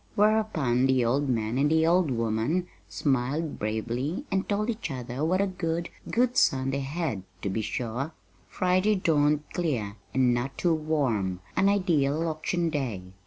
Whereupon the old man and the old woman smiled bravely and told each other what a good, good son they had, to be sure! Friday dawned clear, and not too warm an ideal auction day.